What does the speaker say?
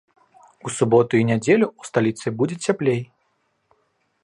У суботу і нядзелю ў сталіцы будзе цяплей.